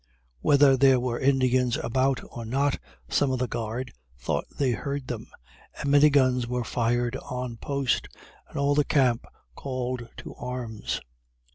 Whether there were Indians about or not, some of the guard thought they heard them, and many guns were fired on post, and all the camp called to arms.